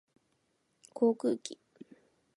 航空機